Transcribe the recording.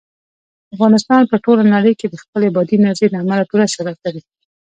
افغانستان په ټوله نړۍ کې د خپلې بادي انرژي له امله پوره شهرت لري.